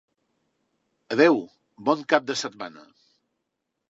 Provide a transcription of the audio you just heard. Adeu, bon cap de setmana.